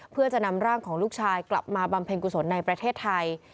เพื่อจะนำร่างของลูกชายกลับมาบำเพ็ญกุศลในประเทศไทย